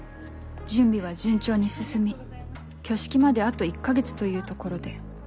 準備は順調に進み挙式まであと１か月というところで。